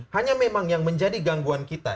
hanya memang yang menjadi gangguan kita